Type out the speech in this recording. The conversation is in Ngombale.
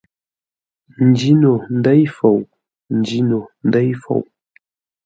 N njîno ndêi fou, n njîno ndêi fou.